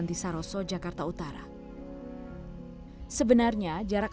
paha bisa digerakkan nggak